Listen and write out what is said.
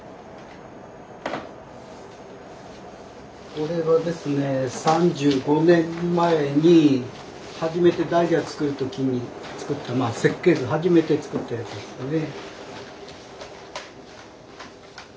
これはですね３５年前に初めて大蛇作る時に作った設計図初めて作ったやつですね。